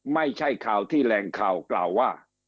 ไม่ใช่ข่าวที่แหล่งข่าวกล่าวว่า